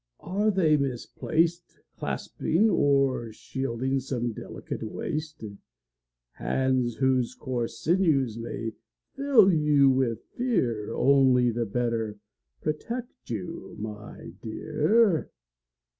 Are they misplaced Clasping or shielding some delicate waist? Hands whose coarse sinews may fill you with fear Only the better protect you, my dear!